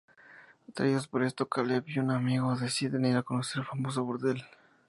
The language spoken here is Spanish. Atraídos por esto, Caleb y un amigo deciden ir a conocer el famoso burdel.